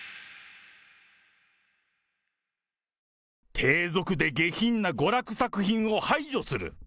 低俗で下品な娯楽作品を排除する。